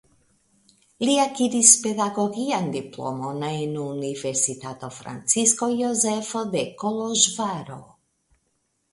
Li akiris pedagogian diplomon en Universitato Francisko Jozefo de Koloĵvaro.